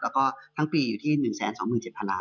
แล้วก็ทั้งปีอยู่ที่๑๒๗๐๐ล้าน